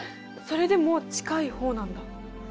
それでも近い方なんだ。